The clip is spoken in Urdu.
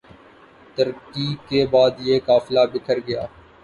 ترکی کے بعد یہ قافلہ بکھر گیا